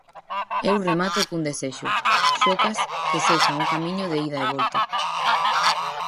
Eu remato cun desexo: Xocas, que sexa un camiño de ida e volta.